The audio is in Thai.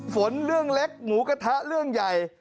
ฝนเรื่องเล็กหมูกระทะเรื่องใหญ่